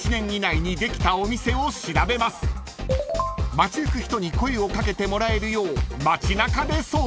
［街行く人に声を掛けてもらえるよう街中で捜査］